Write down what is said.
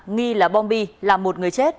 nghi là bom bi là một người chết